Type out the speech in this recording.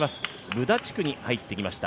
ブダ地区に入っていきました。